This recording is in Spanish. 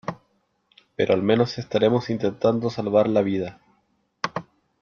pero al menos estaremos intentando salvar la vida .